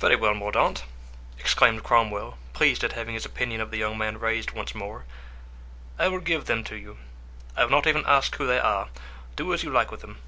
"Very well, Mordaunt," exclaimed Cromwell, pleased at having his opinion of the young man raised once more; "I will give them to you; I will not even ask who they are; do as you like with them."